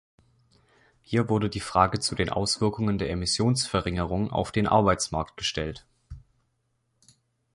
Hier wurde die Frage zu den Auswirkungen der Emissionsverringerung auf den Arbeitsmarkt gestellt.